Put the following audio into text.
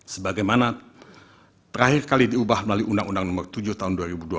sebagaimana terakhir kali diubah melalui undang undang nomor tujuh tahun dua ribu dua belas